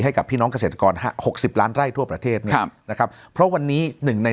ให้กับพี่น้องเกษตรกรหกสิบล้านไร่ทั่วประเทศเนี่ยครับนะครับเพราะวันนี้หนึ่งใน